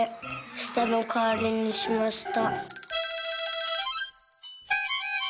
「したのかわりにしました」。